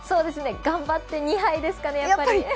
頑張って２杯ですかね、やっぱり。